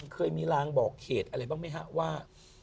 เคยมีรางบอกเหตุอะไรบ้างไหมฮะว่า